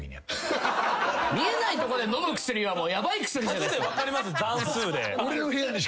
見えないとこで飲む薬はヤバい薬じゃないっすか。